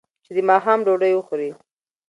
چې د ماښام ډوډۍ وخوري.